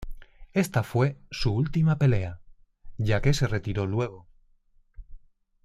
Esta fue su última pelea, ya que se retiró luego.